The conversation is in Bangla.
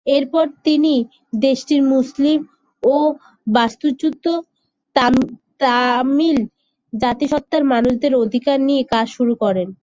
এরপর তিনি দেশটির মুসলিম ও বাস্তুচ্যুত তামিল জাতিসত্তার মানুষদের অধিকার নিয়ে কাজ শুরু করেন।